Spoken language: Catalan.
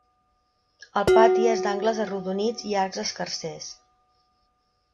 El pati és d'angles arrodonits i arcs escarsers.